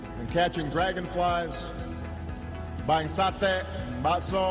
dan menangkap kucing kucing